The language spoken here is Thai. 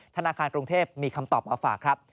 ธนาคารกรุงเทพมีคำตอบมาฝากครับ